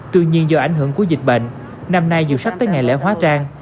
tuy nhiên do ảnh hưởng của dịch bệnh năm nay dù sắp tới ngày lễ hóa trang